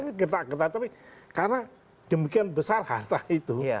ini gerta gerta tapi karena demikian besar harta itu